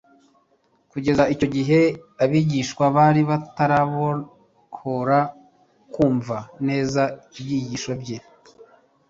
Kugeza icyo gihe abigishwa bari batarashobora kumva neza ibyigisho bye;